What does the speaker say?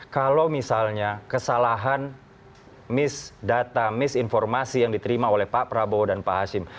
kalau misalnya kesalahan mis data misinformasi yang diterima oleh pak prabowo dan pak hashim